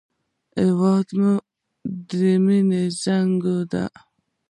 هېواد مو د مینې زانګو ده